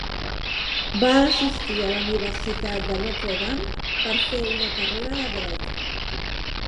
Va assistir a la Universitat de Notre Dame per fer una carrera de dret.